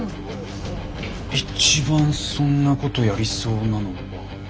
一番そんなことやりそうなのは。